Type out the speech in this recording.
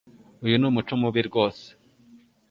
Uyu ni umuco mubi rwose.